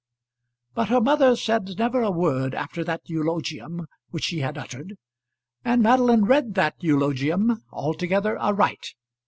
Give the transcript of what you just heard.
But her mother said never a word after that eulogium which she had uttered, and Madeline read that eulogium altogether aright.